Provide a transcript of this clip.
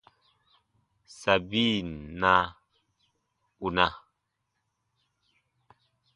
Sabin na, ù na.